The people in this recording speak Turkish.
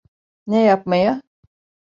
Ne yapmaya?